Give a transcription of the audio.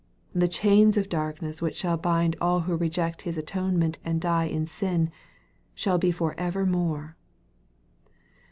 The chains of darkness which shall bind all who reject His atonement and die in sin, shall be for evermore.